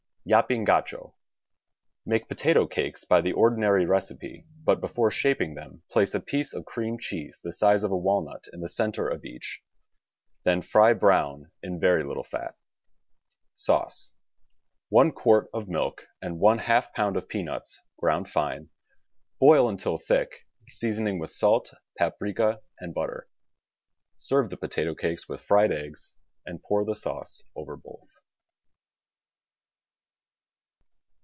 YAPINGACHO Make potato cakes by the ordinary recipe, but before shaping them place a piele of cream cheese the size of a walnut in the center of each; then fry brown in very little fat. Sauce — One quart of milk and one half pound of peanuts ground fine; boil until thick, seasoning with salt, paprika and butter. Serve the potato cakes with fried eggs» and pour the sauce over both.